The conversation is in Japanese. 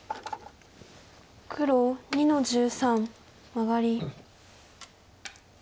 黒２の十三マガリ。